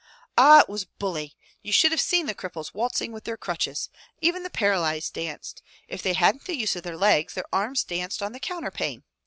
"Ah ! it was bully ! You should have seen the cripples waltzing with their crutches ! Even the paralyzed danced. If they hadn't the use of their legs, their arms danced on the counterpane!